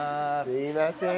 すいません。